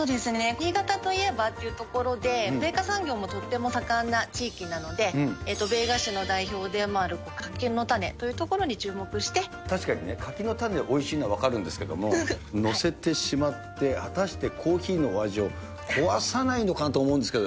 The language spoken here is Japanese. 新潟といえばというところで、米菓産業もとっても盛んな地域なので、米菓子の代表でもある柿の確かにね、柿の種おいしいのは分かるんですけども、載せてしまって、果たしてコーヒーのお味を壊さないのかな？と思うんですけど。